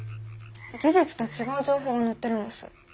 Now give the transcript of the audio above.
事実と違う情報が載ってるんです。